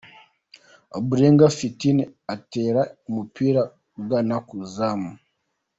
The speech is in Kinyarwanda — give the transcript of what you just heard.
Ombolenga Fitin atera umupira ugana ku izamu.